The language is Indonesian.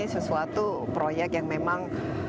sesuatu proyek yang memang